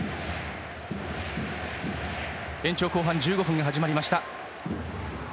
延長後半１５分が始まりました。